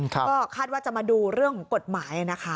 ก็คาดว่าจะมาดูเรื่องของกฎหมายนะคะ